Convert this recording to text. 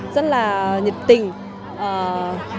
và rất là nhiệt tình